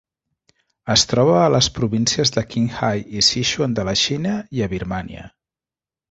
Es troba a les províncies de Qinghai i Sichuan de la Xina i a Birmània.